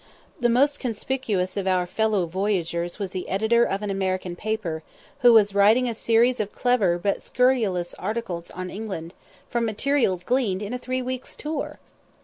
The most conspicuous of our fellow voyagers was the editor of an American paper, who was writing a series of clever but scurrilous articles on England, from materials gleaned in a three weeks' tour!